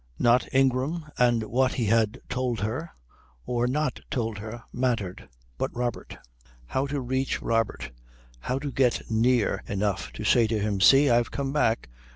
Not Ingram and what he had told her or not told her mattered, but Robert. How to reach Robert, how to get near enough to him to say, "See I've come back.